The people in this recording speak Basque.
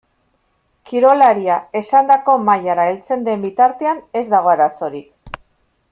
Kirolaria esandako mailara heltzen den bitartean ez dago arazorik.